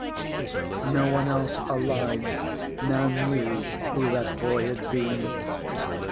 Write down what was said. No one else alive now knew who that boy had been.